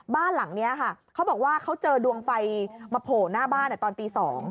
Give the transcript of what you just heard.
บ้านหลังนี้ค่ะเขาบอกว่าเขาเจอดวงไฟมาโผล่หน้าบ้านตอนตี๒